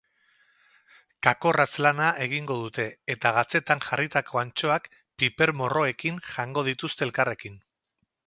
Kakorratz-lana egingo dute eta gatzetan jarritako antxoak pipermorroekin jango dituzte elkarrekin.